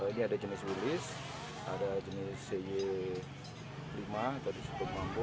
ini ada jenis wilis ada jenis cy lima dari situ bondo